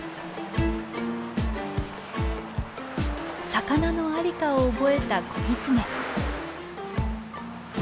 魚の在りかを覚えた子ギツネ。